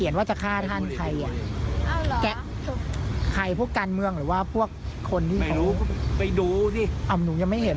น้องกำลังไปดูต้องไปดูรับบุหรอ